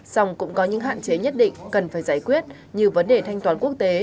song cũng có những hạn chế nhất định cần phải giải quyết như vấn đề thanh toán quốc tế